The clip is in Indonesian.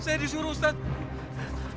saya disuruh ustadz